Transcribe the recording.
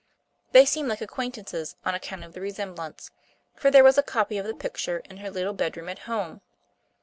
They seemed like acquaintances on account of the resemblance, for there was a copy of the picture in her little bedroom at home.